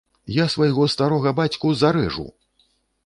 Я свайго старога бацьку зарэжу!